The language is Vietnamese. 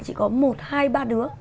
chỉ có một hai ba đứa